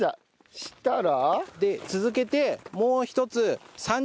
そしたら。